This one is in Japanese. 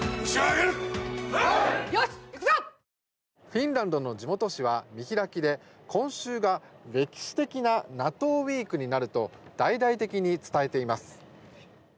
フィンランドの地元紙は見開きで、今週が歴史的なＮＡＴＯウィークになると大々的に伝えています。